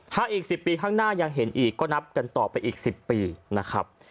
ถ้าอีก๑๐ปีข้างหน้ายังเห็นอีกก็นับกันต่อไปอีก๑๐ปีนะครับ